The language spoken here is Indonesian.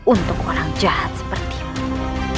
untuk orang jahat seperti kau